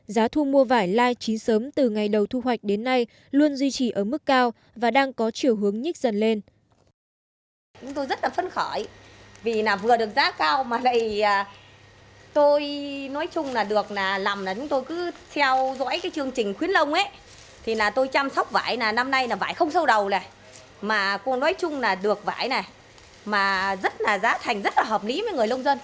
giá thu mua vải lai chín sớm từ ngày đầu thu hoạch đến nay luôn duy trì ở mức cao và đang có chiều hướng nhích dần lên